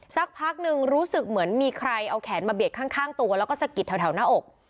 สักพักหนึ่งรู้สึกเหมือนมีใครเอาแขนมาเบียดข้างตัวแล้วก็สะกิดแถวหน้าอก